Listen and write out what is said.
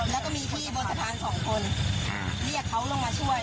แล้วก็มีที่บนศาษาทางทาง๒คนเรียกเขาลงมาช่วย